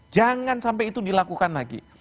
jangan sampai itu dilakukan lagi